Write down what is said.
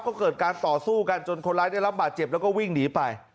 ก็เกิดการต่อสู้กันจนคนร้ายได้รับบาดเจ็บแล้วก็วิ่งหนีไป